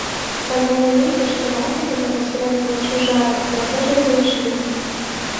Казалі людзі, што маці гэтага сіраціны чужая, захожая дзяўчына.